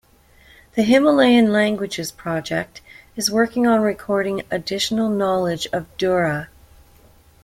The Himalayan Languages Project is working on recording additional knowledge of Dura.